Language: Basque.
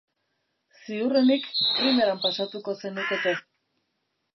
Ziurrenik primeran pasatuko zenukete.